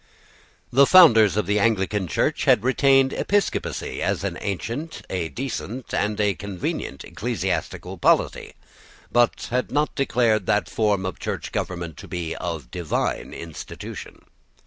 The founders of the Anglican Church had retained episcopacy as an ancient, a decent, and a convenient ecclesiastical polity, but had not declared that form of church government to be of divine institution.